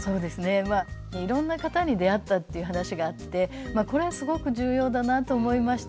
いろんな方に出会ったっていう話があってこれすごく重要だなと思いました。